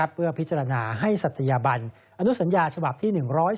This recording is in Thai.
เพื่อพิจารณาให้ศัตยาบันอนุสัญญาฉบับที่๑๔